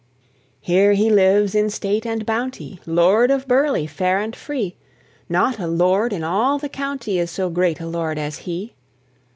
Here he lives in state and bounty, Lord of Burleigh, fair and free. Not a lord in all the county Is so great a lord as he.